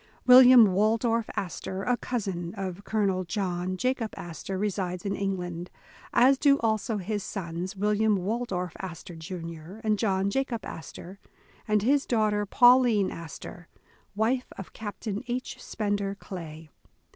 William Waldorf Astor, a cousin of Colonel John Ja cob Astor, resides in England, as do also his sons, Wil liam Waldorf Astor, Jr., and John Jacob Astor, and his daughter, Pauline Astor, wife of Captain H. Spender Clay.